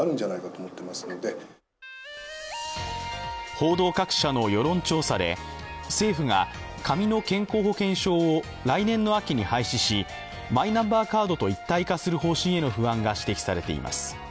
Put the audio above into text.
報道各社の世論調査で政府が紙の健康保険証を来年の秋に廃止しマイナンバーカードと一体化する方針への不安が指摘されています。